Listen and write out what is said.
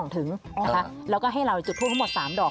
สองถึงแหละค่ะแล้วก็ให้เราจุดทวดทั้งหมดสามดอก